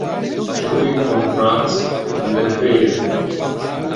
ژووری کۆنفرانس لەکوێیە؟